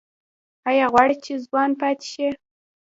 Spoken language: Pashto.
ایا غواړئ چې ځوان پاتې شئ؟